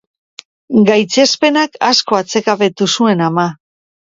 Gaitzespenak asko atsekabetu zuen ama.